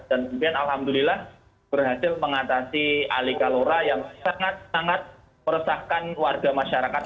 dan kemudian alhamdulillah berhasil mengatasi alikalora yang sangat sangat meresahkan warga masyarakat